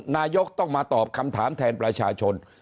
นายกต้องมาตอบคำถามแทนประชาชน